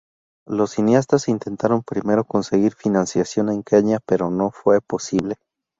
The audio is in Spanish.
Los cineastas intentaron primero conseguir financiación en Kenia, pero fo fue posible.